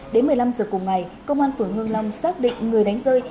đến một mươi năm giờ cùng ngày công an phường hương long xác định người đánh rơi